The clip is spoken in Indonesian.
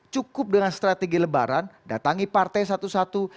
cukup dengan strategi lebaran datangi partai satu satu